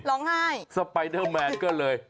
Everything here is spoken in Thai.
ร้องไห้สไปเดอร์แมนก็เลย